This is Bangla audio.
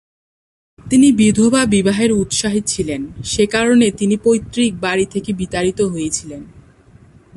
তিনি বিধবা বিবাহে উৎসাহী ছিলেন, সেকারণে তিনি পৈতৃক বাড়ি হতে বিতাড়িত হয়েছিলেন।